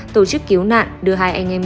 tổ chức cứu nạn đưa hai anh em